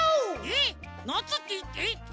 えっなつってえっ？